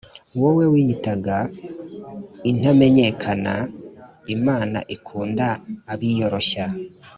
wowe wiyitaga intamenyekanaimana ikunda abiyoroshya